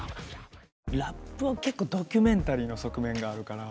ラップは結構ドキュメンタリーの側面があるから。